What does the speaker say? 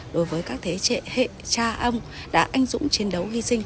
đối với các thế hệ cha ông đã anh dũng chiến đấu hy sinh